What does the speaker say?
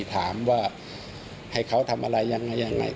ถามว่าให้เขาทำอะไรอย่างไร